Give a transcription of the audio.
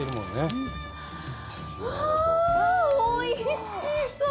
わぁおいしそう！